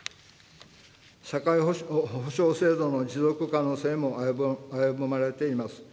社会保障制度の持続可能性も危ぶまれています。